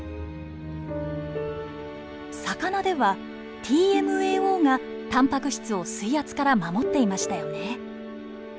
魚ではＴＭＡＯがたんぱく質を水圧から守っていましたよね。